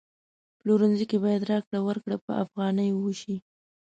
پلورنځي کی باید راکړه ورکړه په افغانیو وشي